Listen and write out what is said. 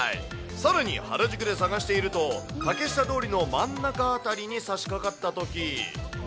さらに原宿で探していると、竹下通りの真ん中辺りにさしかかったとき。